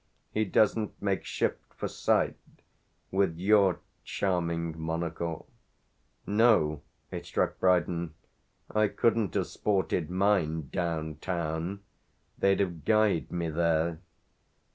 He doesn't make shift, for sight, with your charming monocle." "No" it struck Brydon; "I couldn't have sported mine 'down town.' They'd have guyed me there."